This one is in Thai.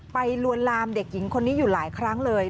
ลวนลามเด็กหญิงคนนี้อยู่หลายครั้งเลย